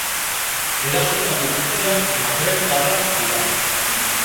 Erasotzaile guztiak magrebtarrak dira.